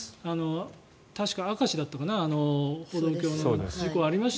確か明石だったかな歩道橋の事故がありました